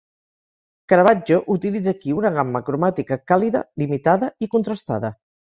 Caravaggio utilitza aquí una gamma cromàtica càlida, limitada i contrastada.